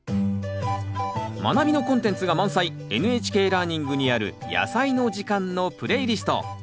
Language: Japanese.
「まなび」のコンテンツが満載「ＮＨＫラーニング」にある「やさいの時間」のプレイリスト。